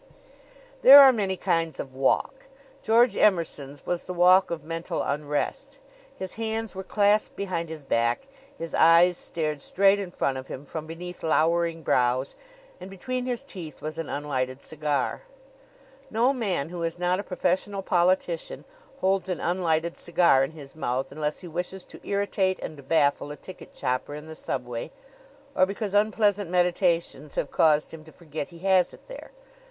There are many kinds of walk. George Emerson's was the walk of mental unrest. His hands were clasped behind his back, his eyes stared straight in front of him from beneath lowering brows, and between his teeth was an unlighted cigar. No man who is not a professional politician holds an unlighted cigar in his mouth unless he wishes to irritate and baffle a ticket chopper in the subway, or because unpleasant meditations have caused him to forget he has it there.